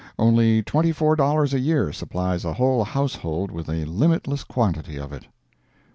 Only twenty four dollars a year supplies a whole household with a limitless quantity of it.